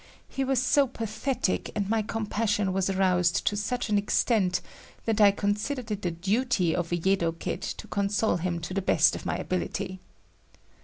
He was so pathetic and my compassion was aroused to such an extent that I considered it the duty of a Yedo kid to console him to the best of my ability.